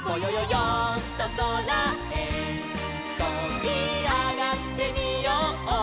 よんとそらへとびあがってみよう」